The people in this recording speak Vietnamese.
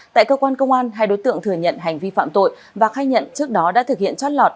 tại công an tp tây ninh hai đối tượng thừa nhận hành vi phạm tội và khai nhận trước đó đã thực hiện chót lọt